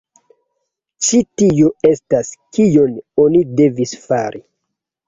Ĉi tio estas kion oni devis fari.